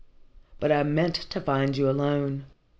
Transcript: But I meant to find you alone.